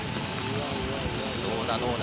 どうだどうだ？